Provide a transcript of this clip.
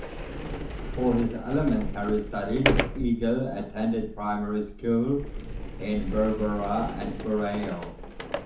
For his elementary studies, Egal attended primary school in Berbera and Burao.